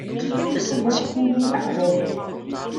Tella tessirid iqbac.